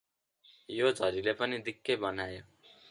यो झरीले पनि दिक्कै बनायो।